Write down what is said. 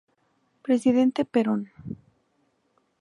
Presidente Perón.